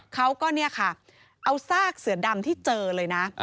เขาก็เนี่ยค่ะเอาซากเสือดำที่เจอเลยนะ